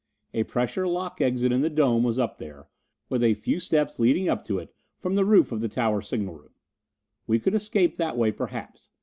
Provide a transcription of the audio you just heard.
A pressure lock exit in the dome was up there, with a few steps leading up to it from the roof of the tower signal room. We could escape that way, perhaps.